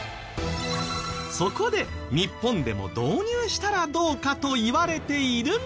そこで日本でも導入したらどうかといわれているのが。